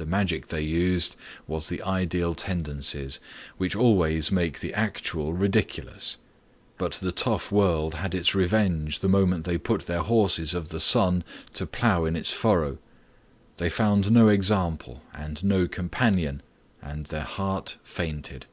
The magic they used was the ideal tendencies, which always make the Actual ridiculous; but the tough world had its revenge the moment they put their horses of the sun to plough in its furrow. They found no example and no companion, and their heart fainted.